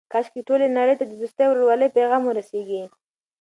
کاشکې ټولې نړۍ ته د دوستۍ او ورورولۍ پیغام ورسیږي.